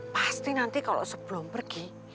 pasti nanti kalau sebelum pergi